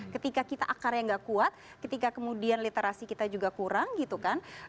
ketika kita akarnya nggak kuat ketika kemudian literasi kita juga kurang gitu kan